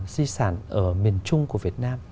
di sản ở miền trung của việt nam